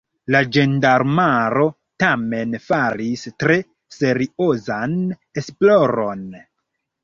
La ĝendarmaro tamen faris tre seriozan esploron.